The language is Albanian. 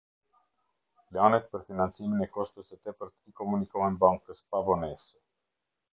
Planet për financimin e kostos së tepërt i komunikohen Bankës pa vonesë.